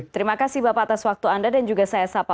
terima kasih bapak atas waktu anda dan juga saya sapa